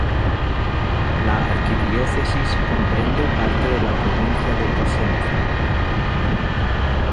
La arquidiócesis comprende parte de la Provincia de Cosenza.